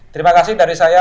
terima kasih dari saya